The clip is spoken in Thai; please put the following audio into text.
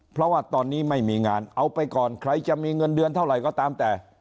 เพราะว่าตอนนี้ไม่มีงานเอาไปก่อนใครจะมีเงินเดือนเท่าไหร่ก็ตามแต่